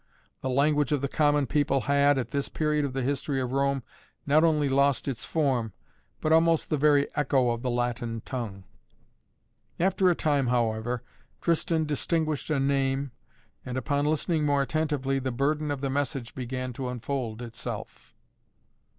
The language of the common people had, at this period of the history of Rome, not only lost its form, but almost the very echo of the Latin tongue. After a time, however, Tristan distinguished a name, and, upon listening more attentively, the burden of the message began to unfold itself.